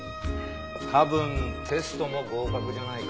多分テストも合格じゃないか。